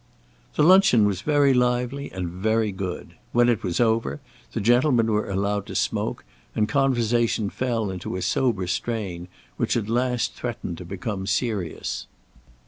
The luncheon was very lively and very good. When it was over, the gentlemen were allowed to smoke, and conversation fell into a sober strain, which at last threatened to become serious.